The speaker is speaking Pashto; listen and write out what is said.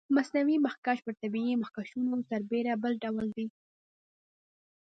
مصنوعي مخکش پر طبیعي مخکشونو سربېره بل ډول دی.